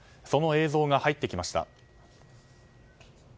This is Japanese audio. その映像が入ってきました。